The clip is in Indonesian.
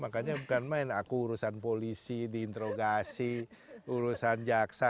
makanya bukan main aku urusan polisi diinterogasi urusan jaksa